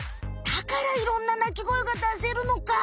だからいろんな鳴き声がだせるのか。